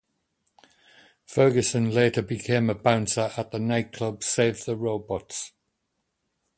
Ferguson later became a bouncer at the nightclub Save the Robots.